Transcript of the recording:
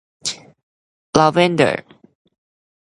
ลาเวนเดอร์